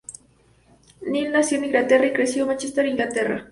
Neville nació en Inglaterra, y creció en Manchester, Inglaterra.